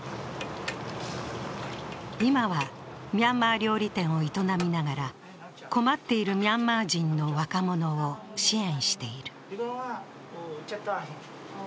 今はミャンマー料理店を営みながら困っているミャンマー人の若者を支援している。